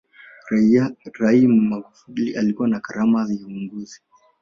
rai magufuli alikuwa na karama ya uongozi